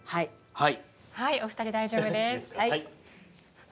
はい。